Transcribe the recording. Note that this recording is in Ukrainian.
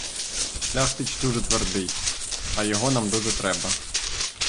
Шляхтич дуже твердий, а його нам дуже треба.